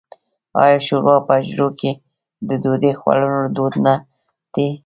آیا شوروا په حجرو کې د ډوډۍ خوړلو دود نه دی؟